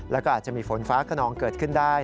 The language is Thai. แล้วก็อาจจะมีฝนฟ้าขนองเกิดขึ้นได้